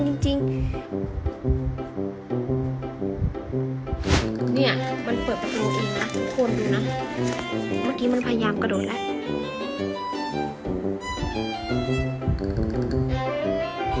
เพราะมันเปิดคั่งคืนทั้งคืนจริงจริง